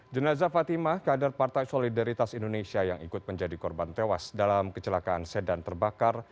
jenazah fatimah kader partai solidaritas indonesia yang ikut menjadi korban tewas dalam kecelakaan sedan terbakar